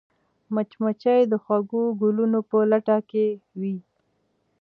مچمچۍ د خوږو ګلونو په لټه کې وي